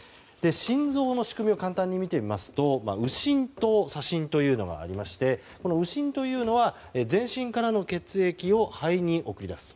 心臓の仕組みを簡単に見てみますと右心と左心というのがありまして右心というのは全身からの血液を肺に送り出す。